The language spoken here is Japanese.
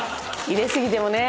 入れ過ぎてもね。